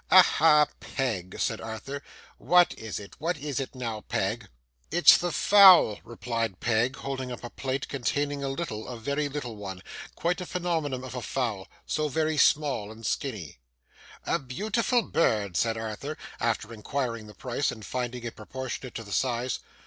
'Aha, Peg!' said Arthur, 'what is it? What is it now, Peg?' 'It's the fowl,' replied Peg, holding up a plate containing a little, a very little one. Quite a phenomenon of a fowl. So very small and skinny. 'A beautiful bird!' said Arthur, after inquiring the price, and finding it proportionate to the size.